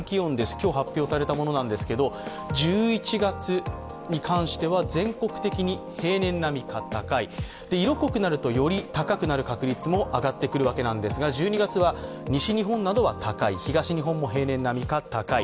今日発表されたものなんですけど１１月に関しては全国的に平年並みか高い、色濃くなるとより高くなる確率も高くなるわけですが１２月は西日本などは高い東日本も平年並みか高い。